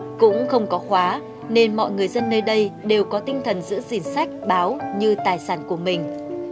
điều này cũng không có khóa nên mọi người dân nơi đây đều có tinh thần giữ gìn sách báo như tài sản của mình